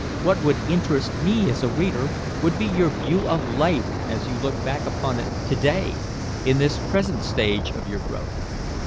What would interest me as a reader would be your view of your life as you look back upon it to day in this present stage of your growth.